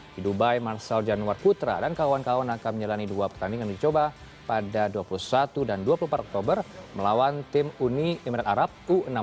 di dubai marcel januar putra dan kawan kawan akan menjalani dua pertandingan uji coba pada dua puluh satu dan dua puluh empat oktober melawan tim uni emirat arab u enam belas